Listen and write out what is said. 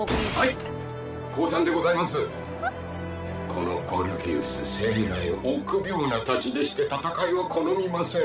このゴルギウス生来臆病なたちでして戦いは好みません。